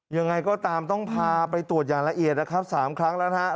ยังไงก็ตามต้องพาไปตรวจอย่างละเอียดนะครับ๓ครั้งแล้วนะครับ